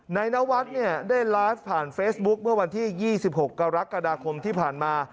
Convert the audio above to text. นวัดเนี่ยได้ไลฟ์ผ่านเฟซบุ๊คเมื่อวันที่๒๖กรกฎาคมที่ผ่านมา